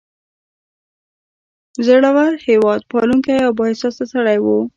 زړور، هیواد پالونکی او با احساسه سړی و.